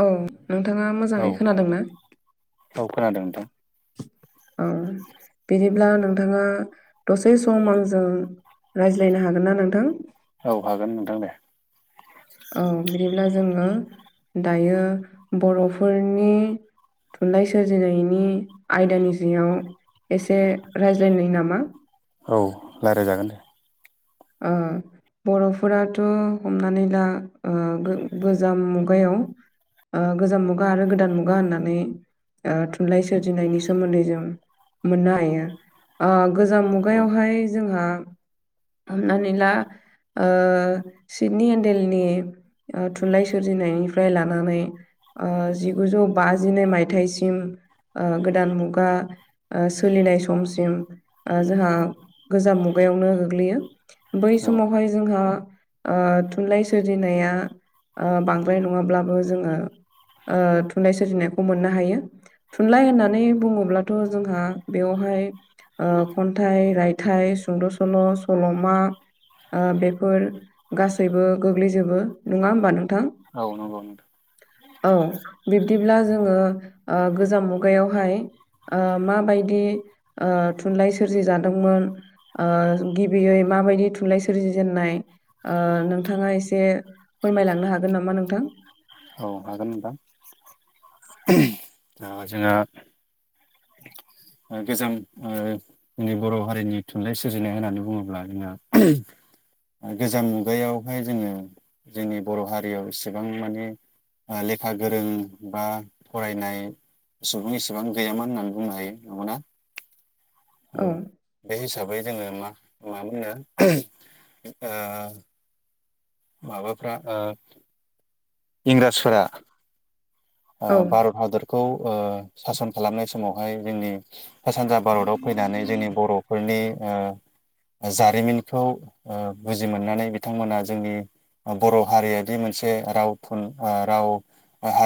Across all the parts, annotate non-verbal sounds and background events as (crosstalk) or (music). औ नोंथाङा औ मोजाङै खोनादों ना? औ खोनादों नोंथां औ बिदिब्ला नोंथाङा दसे सम आंजों रायज्लायनो हागोन ना नोंथां? औ हागोन नोंथां दे औ बिदिब्ला जोङो दायो बर'फोरनि थुनलाइ सोरजिनायनि आयदानि जयाव एसे रायज्लायनाय नामा औ रायज्लायजागोन दे ओ बर'फोराथ' हमनानै ला गोजाम मुगायाव गोजाम मुगा आरो गोदान मुगा होननानै थुनलाइ सोरजिनायनि सोमोन्दै जों मोननो हायो गोजाम औ मुगायावहाय जोंहा हमनानै ला सिदनि हडेलनि थुनलाइ सोरजिनायनिफ्राय लानानै जिगुजौ बाजिनै मायथाइसिम गोदान मुगा सोलिनाय समसिम जोंहा गोजाम मुगायावनो गोग्लैयो बै औ समावहाय जोंहा थुनलाइ सोरजिनाया बांद्राय नङाब्लाबो जोङो ओ थुनलाइ सोरजिनायखौ मोननो हायो थुनलाइ होननानै बुङोब्लाथ' जोंहा बेवहाय खन्थाइ रायथाइ सुंद' सल' सल' मा बेफोर गासैबो गोग्लैजोबो नङा होमबा नोंथां औ नंगौ नोंथां। ओं बिब्दिब्ला जोङो ओं गोजाम मुगायावहाय ओं माबायदि ओं थुनलाइ सोरजिजादोंमोन ओं गिबियै माबायदि थुनलाइ सोरजिजेननाय। ओं नोंथाङा एसे फोरमायलांनो हागोन नामा नोंथां? औ हागोन नोंथां ओं जोङो ओं गोजोन ओं जोंनि बर' हारिनि थुनलाइ सोरजिनाय होननानै बुङोब्ला जोंना गोजाम मुगायावहाय जोङो जोंनि बर' हारियाव इसेबां माने ओं लेखा गोरों बा फरायनाय सुबुं एसेबां गैयामोन ना बुंनो हायो नंगौ ना? औ बे हिसाबै जोङो मा मा होनो ओं माबाफ्रा ओं इंराजफोरा। औ ओं भारत हादरखौ ओं सासन खालामनाय समावहाय जोंनि सा सानजा भारताव फैनानै जोंनि बर'फोरनि ओं जारिमिनखौ ओं बुजि मोननानै बिथांमोना जोंनि बर' हारियादि मोनसे राव थुन राव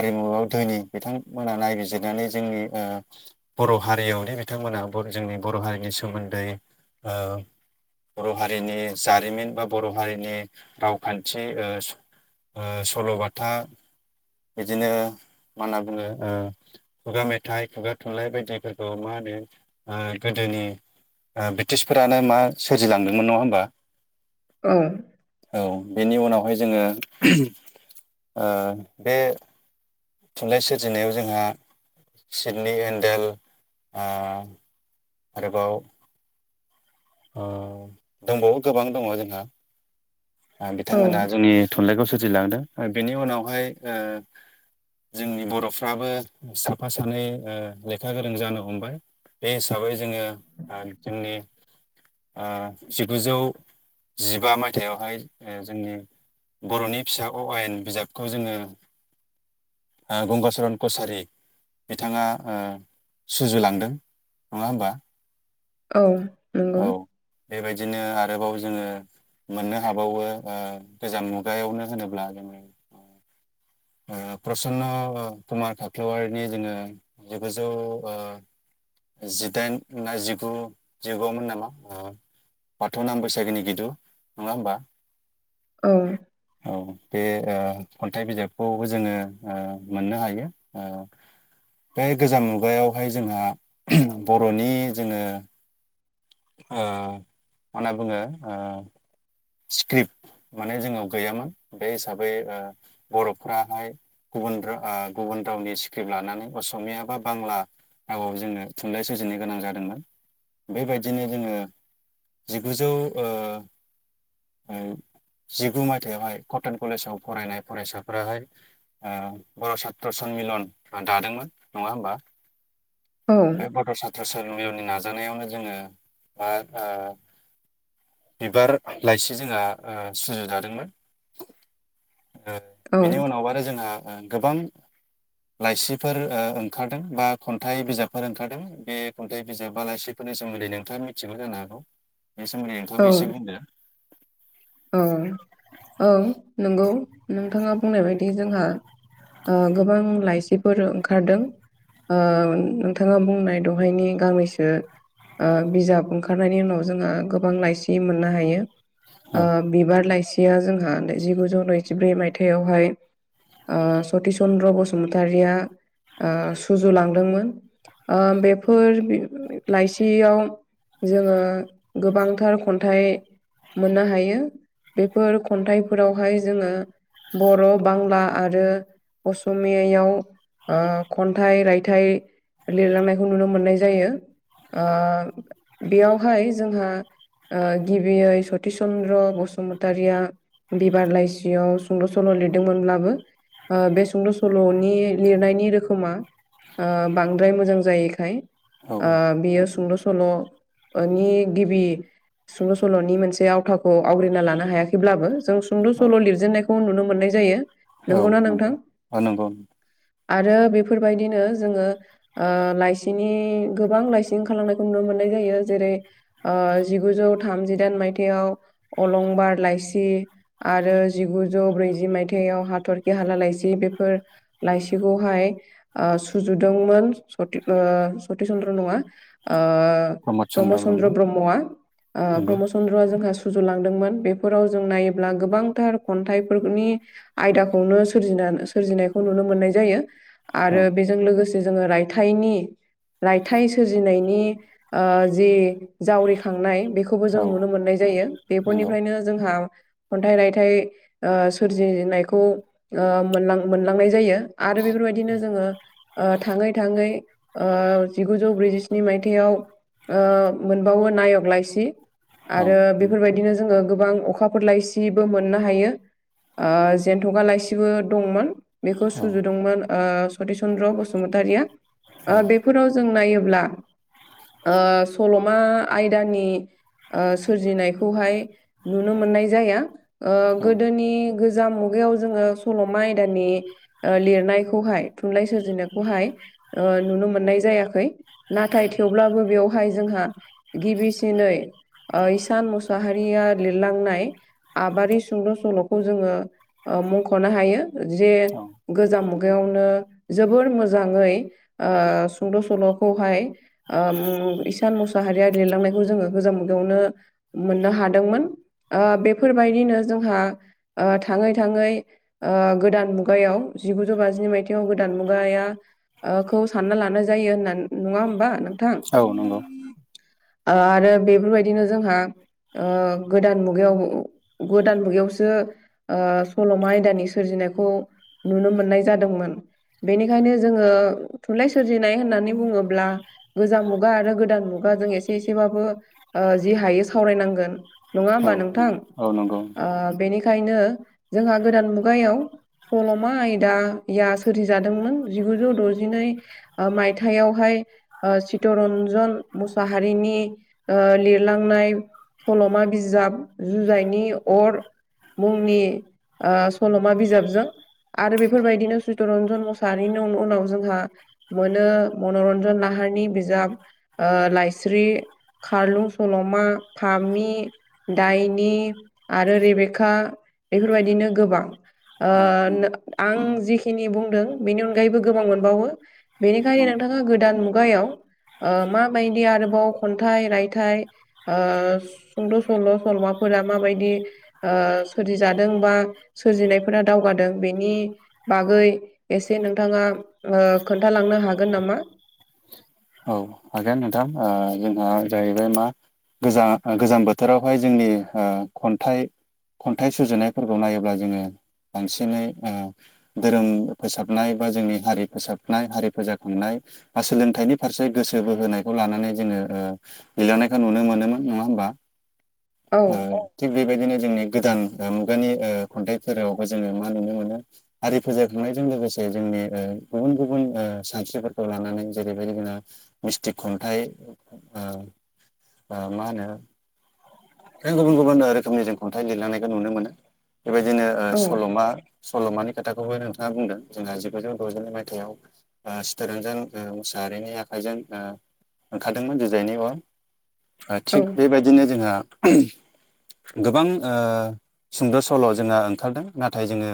मुगायाव गोदोनि बिथांमोना नायबिजिरनानै जोंनि ओं बर' हारियावनो बिथांमोना जोंनि बर' हारिनि सोमोन्दै ओं बर' हारिनि जारिमिन बा बर' हारिनि रावखान्थि ओं ओं सल'बाथा बिदिनो मा होनना बुङो ओं खुगा मेथाइ खुगा थुनलाइ बायदिफोरखौ मा होनो ओं गोदोनि ओं ब्रिटिसफोरानो मा सोरजिलांदोंमोन नङा होमबा? औ। औ बेनि उनावहाय जोङो ओं बे थुनलाइ सोरजिनायाव जोंहा सिदनि एन्देल ओं आरोबाव ओं दंबावो गोबां दङ जोंहा आरो औ बिथांमोना जोंनि थुनलाइखौ सोरजिलांदों बेनि उनावहाय ओं जोंनि बर'फ्राबो साफा सानै ओ लेखा गोरों जानो हमबाय। बे हिसाबै जोङो जोंनि ओ जिगुजौ जिबा मायथाइयावहाय ओ जोंनि, बर'नि फिसा अ' आयेन बिजाबखौ जोङो, ओ गंगाचरन कसारि, बिथाङा ओ सुजुलांदों नङा होमबा? औ। नंगौ औ बेबायदिनो आरोबाव जोङो। मोननो हाबावो ओ गोजाम मुगायावनो होनोब्ला जोङो ओ प्रसन्न कुमार खाख्लौवारिनि जोङो जिगुजौ ओ जिदाइन ना जिगु जिगुमोन नामा ओ बाथौ नाम बैसागिनि गिदु नङा होमबा? औ। औ बे ओ खन्थाइ बिजाब खौबो जोङो ओ मोननो हायो ओ बे गोजाम मुगायावहाय जोंहा बर'नि जोङो ओ मा होनना बुङो ओ स्क्रिप्ट माने जोंनाव गैयामोन बे हिसाबै ओ बर'फ्राहाय गुबुन रा ओ गुबुन रावनि स्क्रिप्ट लानानै असमिया बा बांला औ औ जोङो थुनलाइ सोरजिनो गोनां जादोंमोन बेबायदिनो जोङो। जिगुजौ ओ ओ जिगु मायथाइयावहाय कटन कलेजाव फरायनाय फरायसाफोराहाय, आ बर' सात्र सनमिलन दादोंमोन नङा होमबा, औ बे बडसा बोसोरनि उननि नाजानायावनो जोङो ओ ओ बिबार, लाइसि जोंहाआ ओ सुजुजादोंमोन ओ, औ बेनि उनाव आरो जोंहा ओ गोबां। लाइसिफोर ओ ओंखारदों बा खन्थाइ बिजाबफोर ओंखारदों बे, खन्थाइ बिजाब आलासिफोरनि सोमोन्दै नोंथाङा मिथिबो जानो हागौ बे सोमोन्दै औ नोंथाङाबो एसे बुंदो। औ औ नंगौ नोंथाङा बुंनाय बायदि जोंहा, ओ गोबां लाइसिफोर ओंखारदों। ओ नोंथाङा बुंनाय दहायनि गांनैसो, ओ बिजाब ओंखारनायनि उनाव जोंहा गोबां लाइसि मोननो हायो। ओ औ बिबार लाइसिया जोंहा जिगुजौ नैजिब्रै मायथाइयावहाय ओ सतिस चन्द्र बसुमतारिया ओ सुजुलांदोंमोन। ओ बेफोर लाइसियाव, जोङो गोबांथार खन्थाइ मोनना हायो। बेयो बेफोर खन्थाइफोरावहाय जोङो बर' बांला आरो असमियायाव ओ खन्थाइ रायथाइ, लिरलांनायखौ नुनो मोननाय जायो। ओ बेयावहाय जोंहा ओ गिबियै सतिस चन्द्र बसुमतारिया बिबार लाइसियाव सुंद' सल' लिरदोंमोनब्लाबो, ओ बे सुंद' सल'नि लिरनायनि रोखोमा, ओ बांद्राय मोजां जायिखाय औ ओ बियो सुंद सल' ओ नि गिबि सुंद' सल'नि मोनसे आव गावथाखौ आवग्रिना लानो हायाखैब्लाबो जों सुंद' औ सल' लिरजेननायखौ नुनो मोननाय जायो। औ नंगौना नोंथां औ नंगौ औ नंगौ आरो बेफोरबायदिनो जोङो। आ लाइसिनि गोबां लाइसि ओंखारलांनायखौ नुनो मोननाय जायो जेरै ओ जिगुजौ थामजिदाइन मायथाइयाव अलंबार लाइसि, आरो जिगुजौ ब्रैजि मायथाइयाव हाथरखि हाला लाइसि बेफोर, लाइसिखौहाय आ सुजुदोंमोन सति सति चन्द्र नङा ओ ब्रह्म चन्द्र ब्रह्मआ ओ नंगौ ब्रह्म चन्द्रआ जोंहा सुजुलांदोंमोन बेफोराव जों नायोब्ला गोबांथार खन्थाइफोरनि आयदाखौनो सोरजिना सोरजिनायखौ नुनो मोननाय जायो औ आरो बे जों लोगोसे जोङो रायथाइनि रायथाइ सोरजिनायनि आ जि जावरिखांनाय बेखौ। खौबो जों औ नुनो मोननाय जायो नंगौ बेफोरनिफ्रायनो जोंहा खन्थाइ रायथाइ आ सोरजिनायखौ ओ मोनलां मोनलांनाय जायो। आरो बेफोरबायदिनो जोङो ओ थाङै थाङै। ओ जिगुजौ ब्रैजिस्नि मायथाइाव ओ मोनबावो नायक लाइसि औ आरो बेफोरबायदिनो जोङो गोबां अखाफोरलाय सिबो मोननो हायो। ओ जेन्थ'खालासिबो दंमोन बेखौ औ सुजुदोंमोन ओ सति चन्द्र बसुमतारिया औ आबे बे फोराव जों नायोब्ला ओ सल'मा आयदानि ओ सोरजिनायखौ खौहाय नुनो मोननाय जाया ओ गोदोनि गोजाम मुग- मुगायाव जोङो सल'मा आयदानि ओ लिरनायखौहाय थुनलाइ सोरजिनायखौहाय ओ नुनो मोननाय जायाखै नाथाय थेवब्लाबो बेवहाय जोंहा। गिबिसिनै ओ इसान मुसाहारिया लिरलांनाय आबारि सुंद' सल'खौ जोङो मुंख'नो हायो जे। औ गोजाम मुगायावनो जोबोर मोजाङै सुंद' सल'खौहाय ओ इसान मुसाहारिया लिरलांनायखौ जोङो गोजाम मुगायावनो मोननो हादोंमोन बेफोरबायदिनो जोंहा थाङै थाङै। ओ गोदान मुगायाव जिगुजौ बाजिनै मायथाइयाव गोदान मुगाया खौ सानना लानाय जायो होनना नङा होमबा नों। औ नंगौ आरो बेफोरबायदिनो जोंहा ओ गोदान मुगायाव गोदान मुगायावसो ओ सल'मा आयदानि सोरजिनायखौ नुनो मोननाय जादोंमोन। बेनिखायनो जोङो थुनलाइ सोरजिनाय होननानै बुङोब्ला। गोजाम मुगा आरो गोदान मुगााजों एसे एसेबाबो जि हायस्ट सावोन ना औ ह नंगौ औ नंगौ नोंथां नोंथांनि। बेखायनो जोंहा गोदान मुगायाव। सल'मा आयदाया सोरजिजादोंमोन जिगुजौ द'जिनै ओ मायथायाइावहाय चितरन्जन मुसाहारिनि लिरलांनाय सल'मा बिजाब जुजाइनायनि अर मुंनि सल'मा बिजाबजों आरो बेफोरबायदिनो चितरन्जन मुसाहारिनि उनाव जोंहा मोनो मनरन्जन लाहारनि बिजाब लाइस्रि खारलुं सल'मा थामि दाइनि आरो रेबेखाा बेफोरबायदिनो गोबां। ओ औ नंगौ आं जिखिनि बुंदों बेनि अनगायैबो गोबां मोनबावो। बेनिखायनो नंगौ नोंथाङा गोदान मुगायाव ओ माबायदि आरोबाव खन्थाइ रायथाइ ओ सुंद' सल' सल'माफोरा माबायदि ओ सोरजिजादों बा सोरजिनायफोरा दावगादों बेनि बागै एसे नोंथाङा खोन्थालांनो हागोन नामा? औ हागोन नोंथां जोंहा जाहैबाय मा? गोजां गोजां बोथोरावहाय जोंनि खन्थाइ खन्थाइ सुजुनायफोरखौ नायोब्ला जोङो बांसिनै धोरोम फोसाबनाय बा जोंनि हारि फोसाबनाय हारि फोजाखांनाय बा सोलोंथाइनि फारसे गोसो बोहोनायखौ लानानै जोङो ओ गैलांनायखौ नुनो मोनोमोन नङा होमबा? औ ओ थिग बेबायदिनो जोंनि गोदान मुगानि ओ खन्थाइ फोरावबो जोङो मा नुनो मोनो हारि फोजाखांनायजों लोगोसे जोंनि ओ गुबुन गुबुन ओ सानस्रिफोरखौ लानानै जेरै बेबायदिना मिस्थिक खन्थाइ ओ ओ मा होनो जों गुबुन गुबुन रोखोमनि जों खन्थाइ लिरलांनायखौ नुनो मोनो बेबायदिनो ओ औ सल'मा सल'मानि खोथाखौबो नोंथाङा बुंदों जोंहा जिगुजौ द'जिनै मायथाइयाव ओ चितरन्जन ओ मुसाहारिनि आखाइजों ओ ओंखारदोंमोन जुजायनि अर। ओ औ थिग बेबायदिनो जोंहा गोबां ओ सुंद' सल' जोंहा ओंखारदों नाथाय जोङो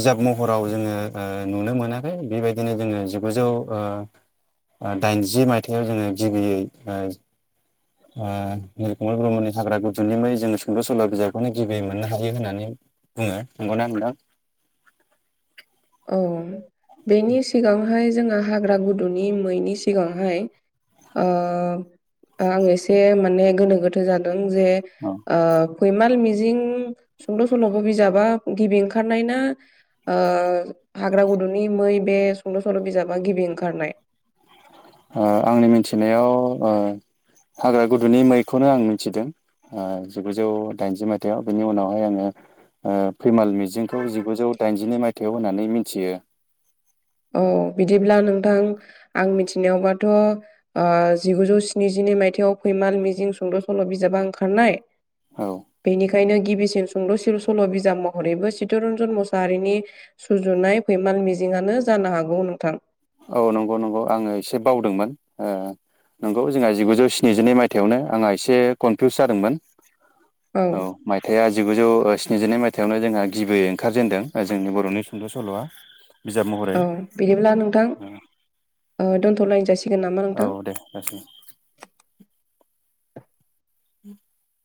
बिजाब महराव जोङो नुनो ओ मोनाखै बेबायदिनो जोङो जिगुजौ ओ ओ दाइनजि मायथाइयाव जोङो गिबियै ओ ओ निलकमल ब्रह्मनि हाग्रा गुदुनि मै जोंङो सुंद' सल' बिजाबखौनो गिबियै मोननो हायो होननानै बुङो नंगौना नोथां। औ बेनि सिगांहाय जोंहा हाग्रा गुदुंनि मैनि सिगांहाय ओ ओ आं एसे माने गोनो गोथो जादों जे औ। ओ फैमाल मिजिं सुंद' सल' बिजाबा गिबि ओंखारनाय ना ओ हाग्रा गुदुनि मै बे सुंद' सल' बिजाबा गिबि ओंखारनाय। ओ आंनि मिथिनायाव ओ हाग्रा गुदुंनि मैखौनो आं मिथिदों। ओ जिगुजौ दाइनजि मायथाइाव बिनि उनावहाय आङो ओ फैमाल मिजिंखौ जिगुजौ दाइनजिनै मायथाइयाव होननानै मिन्थियो। औ बिदिब्ला नोंथां आं मिथिनायावबाथ' ओ जिगुजौ स्निजिनै मायथाइयाव फैमाल मिजिं सुंद' सल' बिजाबा ओंखारनाय। औ। बेनिखायनो गिबिसिन सुंद' सिन सल' बिजाब महरैबो चितरन्जन मुसाहारिनि सुजुनाय फैमाल मिजिङानो जानो हागौ नोंथां। औ नंगौ नंगौ आङो एसे बावदोंमोन ओ नंगौ जोंहा जिगुजौ स्निजिनै मायथाइावनो आंहा एसे कनफिउस जादोंमोन औ। मायथाइआ जिगुजौ स्निजिनै मायथाइयावनो जोंहा गिबियै ओंखारजेनदों जोंनि बर'नि सुंद' सल'आ। (inaudible) औ बिदिब्ला नोंथां ओ दोनथ'लायजासि औ दे लाखिनि। (inaudible)